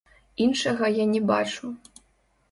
Іншага я не бачу.